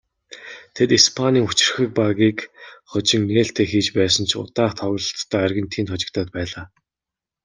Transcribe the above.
Тэд Испанийн хүчирхэг багийг хожин нээлтээ хийж байсан ч удаах тоглолтдоо Аргентинд хожигдоод байлаа.